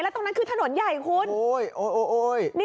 ตรงนั้นคือถนนใหญ่คุณ